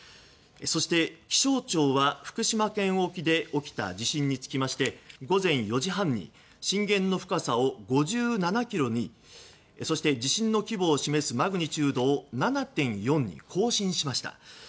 そして、気象庁は福島県沖で起きた地震について午前４時半に震源の深さを５７ｋｍにそして地震の規模を示すマグニチュードを７．４に更新しました。